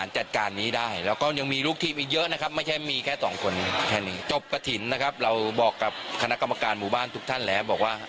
จบกฐินนะครับเราบอกกับคณะกรรมการหมู่บ้านทุกท่านแล้วบอกว่า